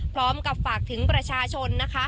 พร้อมกับฝากถึงประชาชนนะคะ